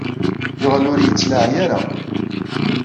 Yuɣal ur iyi-yettlaɛi ara.